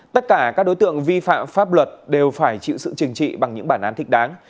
tất cả các đối tượng vi phạm pháp luật đều phải chịu sự chừng trị bằng những bản án thích đáng